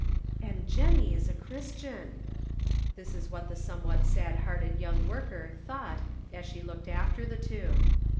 " And Jennie is a Christian !" This is what the somewhat sad hearted young worker thought as she looked after the two.